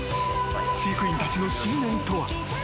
飼育員たちの信念とは。